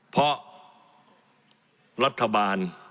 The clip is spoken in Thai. เพราะรัฐบาล